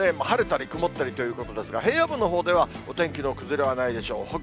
晴れたり曇ったりということですが、平野部のほうではお天気の崩れはないでしょう。